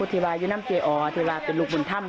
เต้วปะเอ๊ยนเดียกับบอกละ